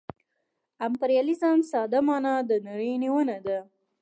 د امپریالیزم ساده مانا د نړۍ نیونه ده